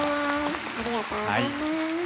ありがとうございます。